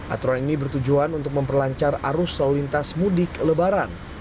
aturan ini bertujuan untuk memperlancar arus lalu lintas mudik lebaran